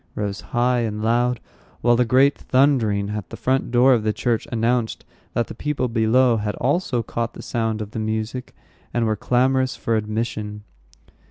rose high and loud; while a great thundering at the front door of the church announced that the people below had also caught the sound of the music, and were clamorous for admission.